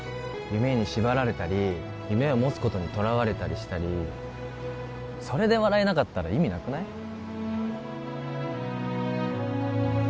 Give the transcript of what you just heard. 夢に縛られたり夢を持つことにとらわれたりしたりそれで笑えなかったら意味なくない？